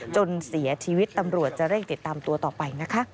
จนเสียชีวิตตำรวจจะเร่งติดตามตัวต่อไปนะคะ